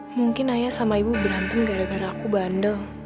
mungkin ayah sama ibu berantem gara gara aku bandel